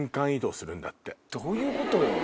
どういうこと？